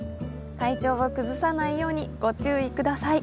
体調を崩さないようにご注意ください。